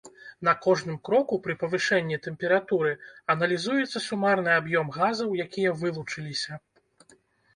На кожным кроку пры павышэнні тэмпературы аналізуецца сумарны аб'ём газаў, якія вылучыліся.